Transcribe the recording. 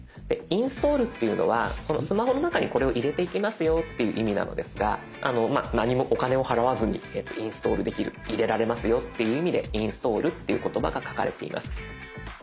インストールっていうのはそのスマホの中にこれを入れていきますよっていう意味なのですが何もお金を払わずにインストールできる入れられますよっていう意味でインストールっていう言葉が書かれています。